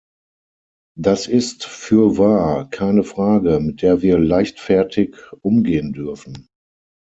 Das ist fürwahr keine Frage, mit der wir leichtfertig umgehen dürfen.